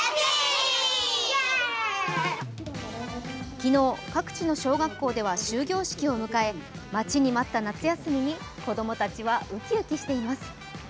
昨日、各地の小学校では終業式を迎え待ちに待った夏休みに子供たちはウキウキしています。